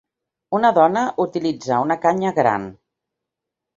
Una dona utilitza una canya gran.